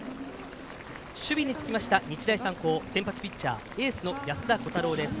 守備につきました日大三高先発ピッチャーエースの安田虎汰郎です。